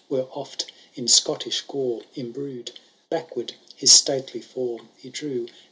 Were oft in Scottish gore imbrued. Backward his stately form he drew.